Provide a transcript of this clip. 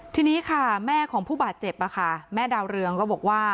ทีนี้ค่ะแม่ของผู้บาดเจ็บแม่ดาวเรืองก็บอกว่า